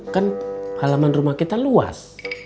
kan halaman rumah kita luas